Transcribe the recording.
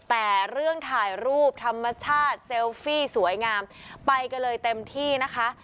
แต่เรื่องถ่ายรูปธรรมชาติเซลฟี่สวยงามไปกันเลยเต็มที่นะคะ